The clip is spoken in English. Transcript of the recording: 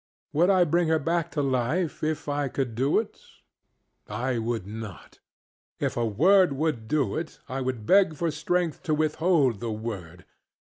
Would I bring her back to life if I could do it? I would not. If a word would do it, I would beg for strength to withhold the word.